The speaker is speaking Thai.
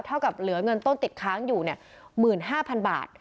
เท่ากับเหลือเงินต้นติดค้างอยู่เนี่ยหมื่นห้าพันบาท